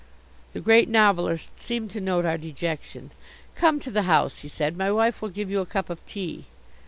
The Great Novelist seemed to note our dejection. "Come to the house," he said, "my wife will give you a cup of tea."